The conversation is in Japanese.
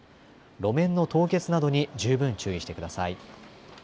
路面の凍結などに十分注意してください。